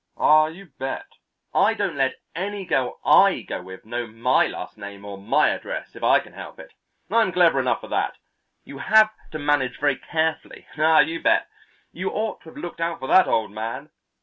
Ah, you bet I don't let any girl I go with know my last name or my address if I can help it. I'm clever enough for that; you have to manage very carefully; ah, you bet! You ought to have looked out for that, old man!"